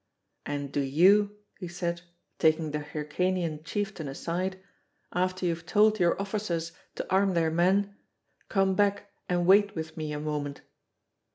And do you," he said, taking the Hyrcanian chieftain aside, "after you have told your officers to arm their men, come back and wait with me a moment."